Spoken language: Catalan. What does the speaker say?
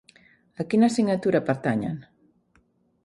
A quina assignatura pertanyen?